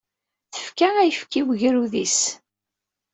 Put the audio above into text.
Tefka ayefki i ugerrud-is.